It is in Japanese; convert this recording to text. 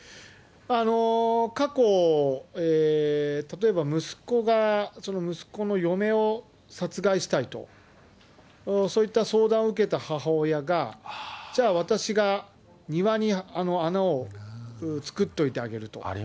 過去、例えば、息子がその息子の嫁を殺害したいと、そういった相談を受けた母親が、じゃあ、私が庭に穴を作っておいてあげると。